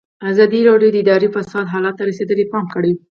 ازادي راډیو د اداري فساد حالت ته رسېدلي پام کړی.